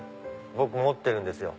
僕持ってるんですよ。